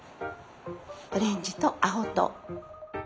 オレンジと青と。